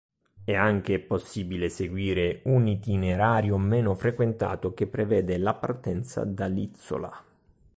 È anche possibile seguire un itinerario meno frequentato che prevede la partenza da Lizzola.